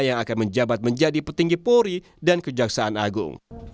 yang akan menjabat menjadi petinggi polri dan kejaksaan agung